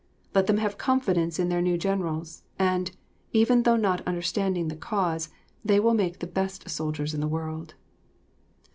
Let them have confidence in their new generals, and, even though not understanding the cause, they will make the best soldiers in the world.